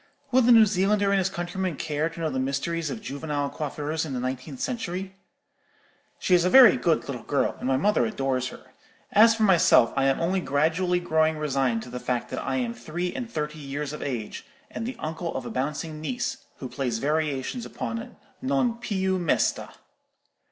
(Will the New Zealander and his countrymen care to know the mysteries of juvenile coiffures in the nineteenth century?) She is a very good little girl, and my mother adores her. As for myself, I am only gradually growing resigned to the fact that I am three and thirty years of age, and the uncle of a bouncing niece, who plays variations upon 'Non più mesta.'